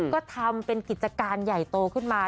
ก็ทำเป็นกิจการใหญ่โตขึ้นมา